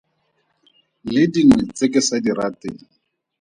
Le dingwe tse ke sa di rateng.